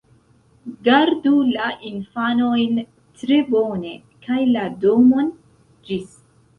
Gardu la infanojn tre bone, kaj la domon! Ĝis!